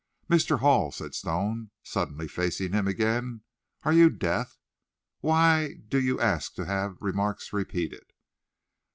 "Mr. Hall," said Stone, suddenly facing him again, "are you deaf? Why do you ask to have remarks repeated?"